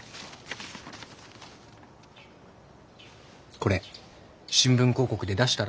これ新聞広告で出したら？